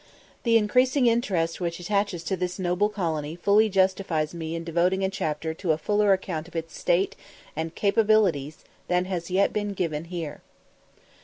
The increasing interest which attaches to this noble colony fully justifies me in devoting a chapter to a fuller account of its state and capabilities than has yet been given here.